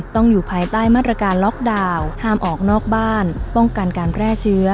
อยู่ภายใต้มาตรการล็อกดาวน์ห้ามออกนอกบ้านป้องกันการแพร่เชื้อ